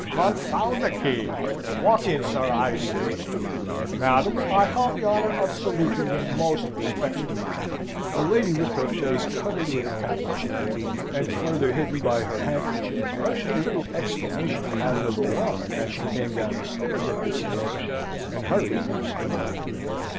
Confound the kay! Walk in, sir, I say! Madam, I have the honour of saluting ye most respectfully!" A lady with her face covered with a capuchin, and further hidden by her handkerchief, uttered a little exclamation as of alarm as she came down the stairs at this instant and hurried past the lawyer.